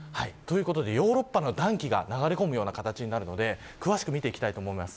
ヨーロッパの暖気が流れ込むような形になるので詳しく見ていきたいと思います。